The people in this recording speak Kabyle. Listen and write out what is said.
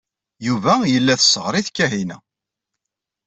Yuba yella tesɣer-it Kahina.